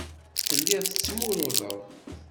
Telliḍ tettmurudeḍ.